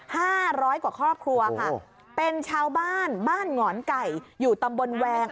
ห้าร้อยกว่าครอบครัวค่ะเป็นชาวบ้านบ้านหงอนไก่อยู่ตำบลแวง